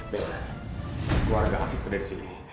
bella keluarga afif udah di sini